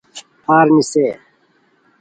پھار نیسے